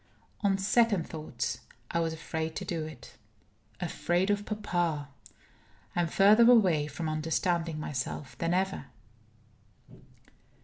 On second thoughts, I was afraid to do it. Afraid of papa! I am further away from understanding myself than ever.